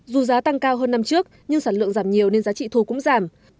dù giá tăng cao hơn năm trước nhưng sản lượng giảm nhiều nên giá trị thu cũng giảm